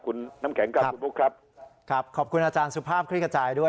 คุณน้ำแข็งครับคุณบุ๊คครับครับขอบคุณอาจารย์สุภาพคลิกกระจายด้วย